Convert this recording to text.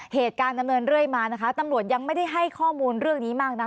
ดำเนินเรื่อยมานะคะตำรวจยังไม่ได้ให้ข้อมูลเรื่องนี้มากนะ